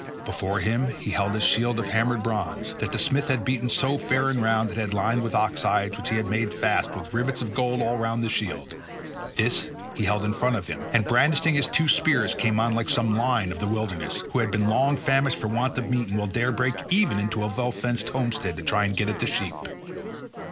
Before him he held his shield of hammered bronze, that the smith had beaten so fair and round, and had lined with ox hides which he had made fast with rivets of gold all round the shield; this he held in front of him, and brandishing his two spears came on like some lion of the wilderness, who has been long famished for want of meat and will dare break even into a well fenced homestead to try and get at the sheep.